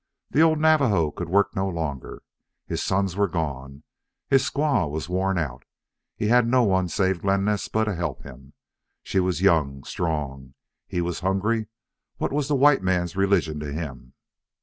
The old Navajo could work no longer. His sons were gone. His squaw was worn out. He had no one save Glen Naspa to help him. She was young, strong. He was hungry. What was the white man's religion to him?